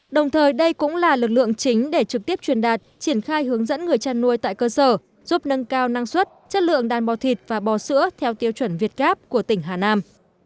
đồng thời đây cũng là lực lượng chính để trực tiếp truyền đạt triển khai hướng dẫn người chăn nuôi tại cơ sở giúp nâng cao năng suất chất lượng đàn bò thịt và bò sữa theo tiêu chuẩn việt gáp của tỉnh hà nam